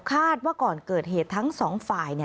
คาดว่าก่อนเกิดเหตุทั้งสองฝ่าย